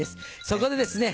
そこでですね